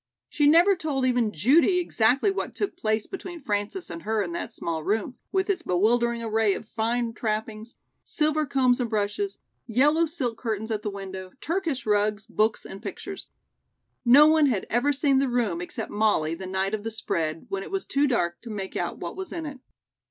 She never told even Judy exactly what took place between Frances and her in that small room, with its bewildering array of fine trappings, silver combs and brushes, yellow silk curtains at the window, Turkish rugs, books and pictures. No one had ever seen the room except Molly the night of the spread, when it was too dark to make out what was in it.